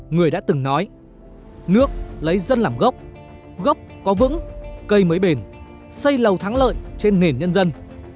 người đã từng nói nước lấy dân làm gốc gốc có vững cây mới bền xây lầu thắng lợi trên nền nhân dân